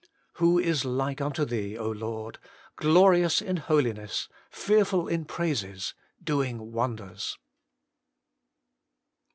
Who is like unto Thee, Lord ! glorious in holiness, fearful in praises, doing wonders